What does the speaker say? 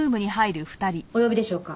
お呼びでしょうか？